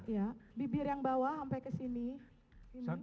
ya bibir yang bawah sampai ke sini